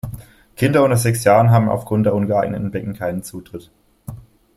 Kinder unter sechs Jahren haben aufgrund der ungeeigneten Becken keinen Zutritt.